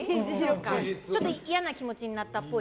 ちょっと嫌な気持ちになったっぽい？